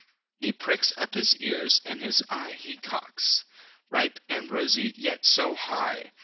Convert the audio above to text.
He pricks up his ears, and his eye he cocks. Ripe and rosy, yet so high!